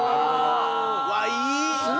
うわっいい！